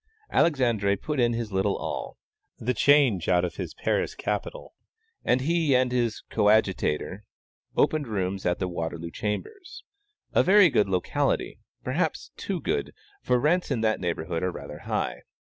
Alexandre put in his little all the change out of his Paris capital and he and his coadjutor opened rooms at the Waterloo Chambers. A very good locality, perhaps too good, for rents in that neighborhood are rather high.